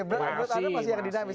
mas rai pasti akan dinamis